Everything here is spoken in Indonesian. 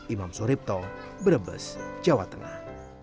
imam suripto brebes jawa tengah